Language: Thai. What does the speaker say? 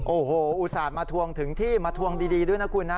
โอ้โหอุตส่าห์มาทวงถึงที่มาทวงดีด้วยนะคุณนะ